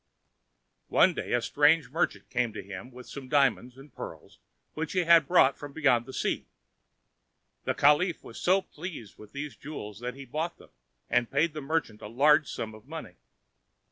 One day a strange merchant came to him with some diamonds and pearls which he had brought from beyond the sea. The caliph was so well pleased with these jewels that he bought them and paid the merchant a large sum of money.